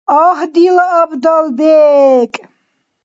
Агь, дила абдал бекӏ!